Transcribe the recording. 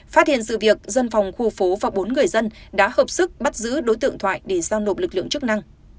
phát hiện sự việc dân phòng khu phố và bốn người dân đã hợp sức bắt giữ đối tượng thoại để giao nộp lực lượng chức năng